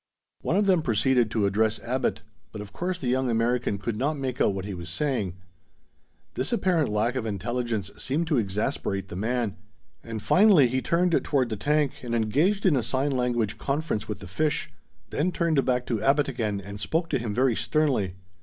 One of them proceeded to address Abbot, but of course the young American could not make out what he was saying. This apparent lack of intelligence seemed to exasperate the man; and finally he turned toward the tank, and engaged in a sign language conference with the fish; then turned back to Abbot again and spoke to him very sternly.